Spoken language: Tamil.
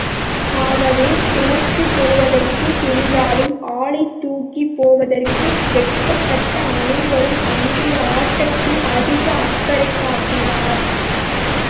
ஆகவே, தோற்றுப் போவதற்குத் துணிந்தாலும், ஆளைத் தூக்கிப் போவதற்கு வெட்கப்பட்ட அனைவரும், அன்றைய ஆட்டத்தில் அதிக அக்கறை காட்டினார்.